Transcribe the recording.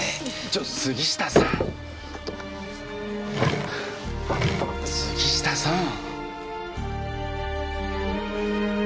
ちょっと杉下さん。はあ杉下さん。